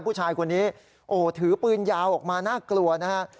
ผู้ชายคนนี้โอ้โหถือปืนยาวออกมาน่ากลัวนะฮะ